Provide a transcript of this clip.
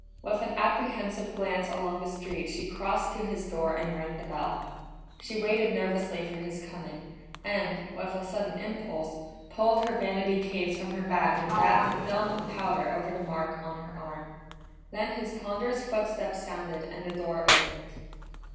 With an apprehensive glance along the street she crossed to his door and rang the bell. She waited nervously for his coming, and, with a sudden impulse, pulled her vanity case from her bag and dabbed a film of powder over the mark on her arm. Then his ponderous footsteps sounded and the door opened.